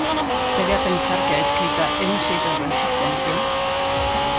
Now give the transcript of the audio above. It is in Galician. Segue a pensar que a escrita é un xeito de resistencia?